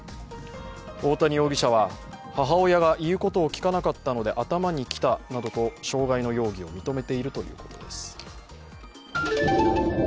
大谷容疑者は、母親が言うことを聞かなかったので、頭にきたなどと傷害容疑を認めているということです。